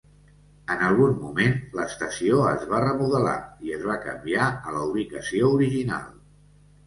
En algun moment, l'estació es va remodelar i es va canviar a la ubicació original.